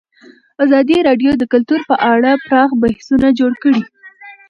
ازادي راډیو د کلتور په اړه پراخ بحثونه جوړ کړي.